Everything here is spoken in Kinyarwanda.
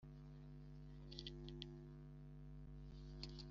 kubera ko ikoreshwa ry'inyongeramusaruro rikiri ritoya mu rwanda,